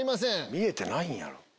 見えてないんやろ？